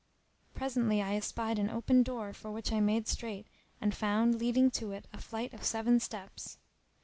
Presently I espied an open door for which I made straight and found leading to it a flight of seven steps.